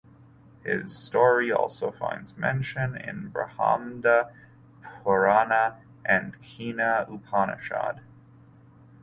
His story also finds mention in Brahmanda Purana and Kena Upanishad.